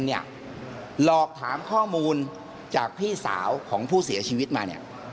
หลอกถามข้อมูลจากพี่สาวของผู้เสียชีวิตมาเนี่ย